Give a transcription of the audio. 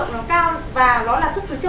vì cái thương hiệu nó cao và nó là xuất sứ châu âu